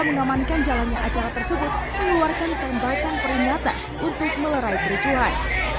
menamankan jalannya acara tersebut mengeluarkan kelembagaan pernyata untuk melerai kerucuhan